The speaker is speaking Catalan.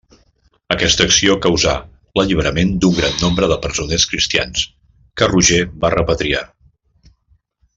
Aquesta acció causà l'alliberament d'un gran nombre de presoners cristians, que Roger va repatriar.